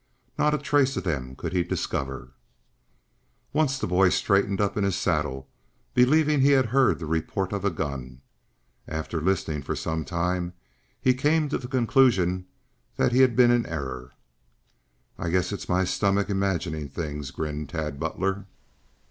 Not a trace of them could he discover. Once the boy straightened up in his saddle believing he had heard the report of a gun. After listening for some time he came to the conclusion that he had been in error. "I guess it's my stomach imagining things," grinned Tad Butler.